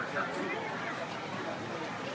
สวัสดีครับ